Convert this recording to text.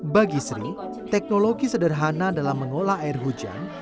bagi sri teknologi sederhana dalam mengolah air hujan